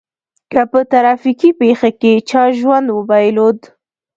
که په ترافيکي پېښه کې چا ژوند وبایلود.